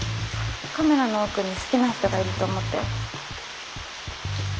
カメラの奥に好きな人がいると思って。